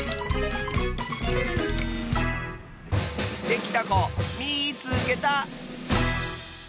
できたこみいつけた！